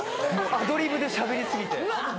アドリブでしゃべり過ぎて。